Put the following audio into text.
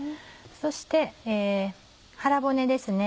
そして腹骨ですね。